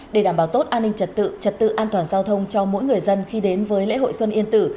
để đảm bảo tốt an ninh trật tự trật tự an toàn giao thông cho mỗi người dân khi đến với lễ hội xuân yên tử